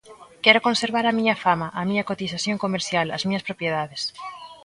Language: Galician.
Quero conservar a miña fama, a miña cotización comercial, as miñas propiedades.